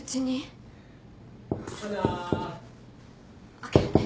開けるね。